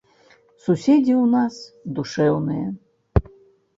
Суседзі ў нас душэўныя.